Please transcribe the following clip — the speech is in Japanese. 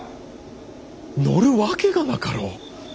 乗るわけがなかろう！